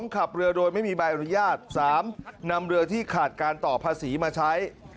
ขับเรือโดยไม่มีใบอนุญาต๓นำเรือที่ขาดการต่อภาษีมาใช้